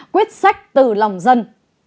quyết sách từ lòng dân